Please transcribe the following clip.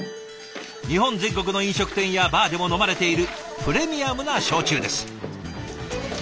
日本全国の飲食店やバーでも飲まれているプレミアムな焼酎です。